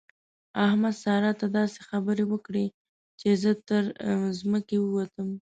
احمد؛ سارا ته داسې خبرې وکړې چې زه تر ځمکه ووتم.